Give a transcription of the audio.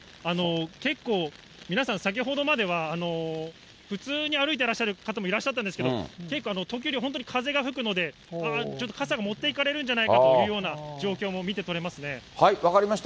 結構皆さん先ほどまでは、普通に歩いてらっしゃる方もいらっしゃったんですけれども、時折本当に風が吹くので、ちょっと傘が持っていかれるんじゃないかというような状況も見て分かりました。